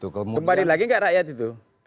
kembali lagi nggak rakyat itu